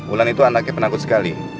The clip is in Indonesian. wulan itu anaknya penakut sekali